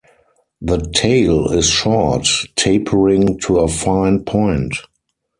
The tail is short, tapering to a fine point.